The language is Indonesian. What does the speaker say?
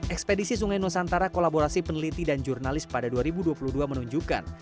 ekspedisi sungai nusantara kolaborasi peneliti dan jurnalis pada dua ribu dua puluh dua menunjukkan